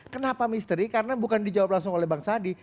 kenapa misteri karena bukan dijawab langsung oleh bang sandi